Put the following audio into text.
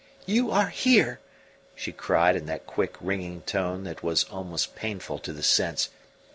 "You are here!" she cried in that quick, ringing tone that was almost painful to the sense.